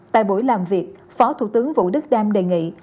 tại buổi làm việc phó thủ tướng vũ đức đam đề nghị